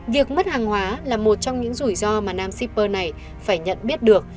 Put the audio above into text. việc mất hàng hóa là một trong những rủi ro mà nam shipper này phải nhận biết được